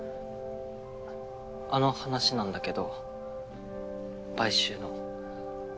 あの話なんだけど買収の。